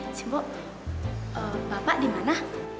eh simbo bapak di mana